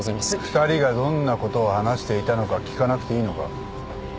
２人がどんなことを話していたのか聞かなくていいのか？